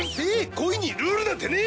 恋にルールなんてねえ！